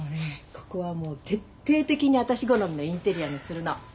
ここはもう徹底的に私好みのインテリアにするの。